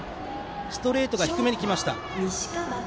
ストレートが低めに来ました。